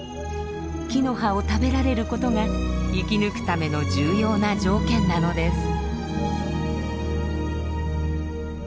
木の葉を食べられることが生き抜くための重要な条件なのです。